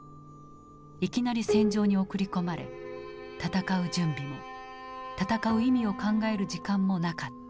いきなり戦場に送り込まれ戦う準備も戦う意味を考える時間もなかった。